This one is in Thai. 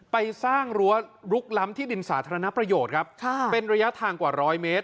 ไปสร้างรั้วลุกล้ำที่ดินสาธารณประโยชน์ครับเป็นระยะทางกว่าร้อยเมตร